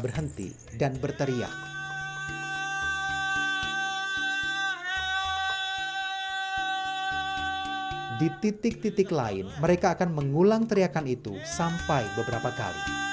berhenti dan berteriak di titik titik lain mereka akan mengulang teriakan itu sampai beberapa kali